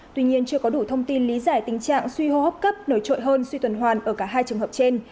tuy nhiên chưa có đủ thông tin lý giải tình trạng suy hô hấp cấp nổi trội hơn suy tuần hoàn ở cả hai trường hợp trên